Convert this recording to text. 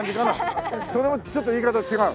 それもちょっと言い方違う。